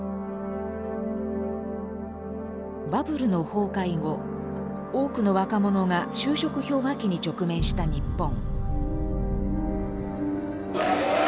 バブルの崩壊後多くの若者が就職氷河期に直面した日本。